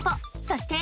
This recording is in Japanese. そして。